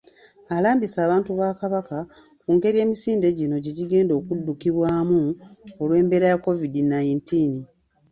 Alambise abantu ba Kabaka ku ngeri emisinde gino gye gigenda okuddukibwamu olw'embeera ya COVID nineteen